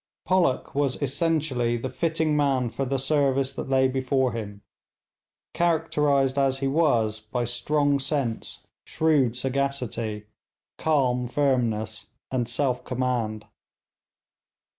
Pollock was essentially the fitting man for the service that lay before him, characterised as he was by strong sense, shrewd sagacity, calm firmness, and self command.